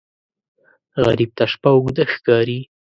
غریب ته شپه اوږده ښکاري